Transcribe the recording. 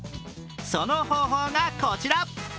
その方法がこちら。